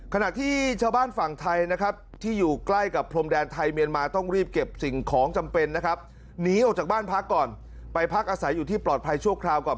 ขณะที่ชาวบ้านฝั่งไทยนะครับที่อยู่ใกล้กับพรมแดนไทยเมียนมาต้องรีบเก็บสิ่งของจำเป็นนะครับหนีออกจากบ้านพักก่อนไปพักอาศัยอยู่ที่ปลอดภัยชั่วคราวก่อน